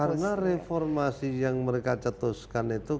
karena reformasi yang mereka cetuskan itu